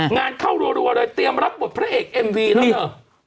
งานเข้ารัวเลยเตรียมรับบทพระเอกเอ็มวีแล้วเธอ